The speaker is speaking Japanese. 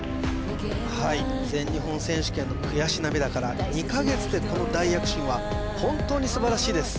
はい全日本選手権の悔し涙から２カ月でこの大躍進は本当に素晴らしいです